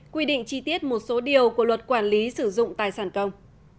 quy định chi tiết một số điều của luật quản lý sử dụng tài sản công